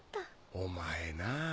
お前なぁ。